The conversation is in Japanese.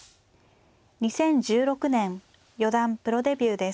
２０１６年四段プロデビューです。